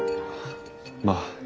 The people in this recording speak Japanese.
まあ。